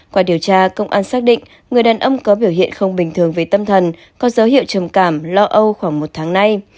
qua điều tra công an xác định người đàn ông có biểu hiện không bình thường về tâm thần có dấu hiệu trầm cảm lo âu khoảng một tháng nay